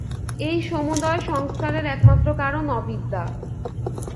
এই সমুদয় সংস্কারের একমাত্র কারণ অবিদ্যা।